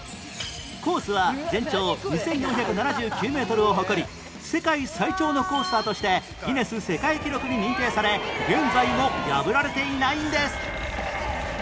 コースは全長２４７９メートルを誇り世界最長のコースターとしてギネス世界記録に認定され現在も破られていないんです